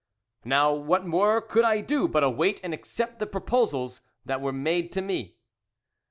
"Now, what more could I do but await and accept the proposals that were made to me?"